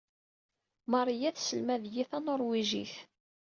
Maria tesselmad-iyi tanuṛwijit.